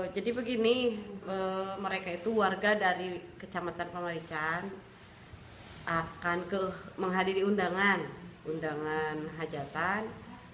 jadi begini mereka itu warga dari kecamatan pamarican akan menghadiri undangan hajatan